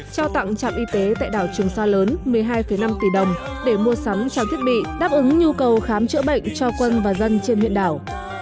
trao tặng trạm y tế tại đảo trường sa lớn một mươi hai năm tỷ đồng để mua sắm trang thiết bị đáp ứng nhu cầu khám chữa bệnh cho quân và dân trên huyện đảo